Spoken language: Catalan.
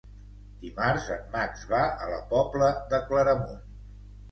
Dimarts en Max va a la Pobla de Claramunt.